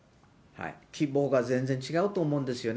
規模が全然違うと思うんですよね。